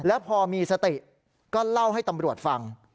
แล้วพอมีสติก็เล่าให้ตำรวจฟัง